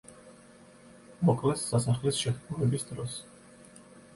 მოკლეს სასახლის შეთქმულების დროს.